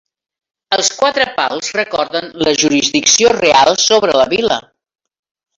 Els quatre pals recorden la jurisdicció reial sobre la vila.